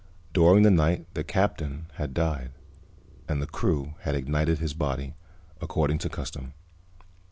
During the night the Captain had died, and the crew had ignited his body, according to custom.